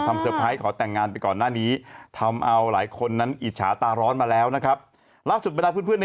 ระวังความปรับกดช่อง